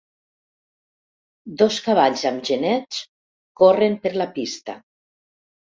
dos cavalls amb genets, corren per la pista.